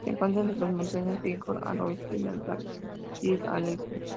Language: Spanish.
Se encuentra entre las montañas Bighorn al oeste y los Black Hills al este.